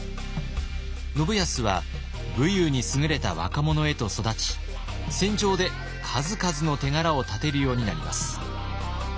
信康は武勇にすぐれた若者へと育ち戦場で数々の手柄をたてるようになります。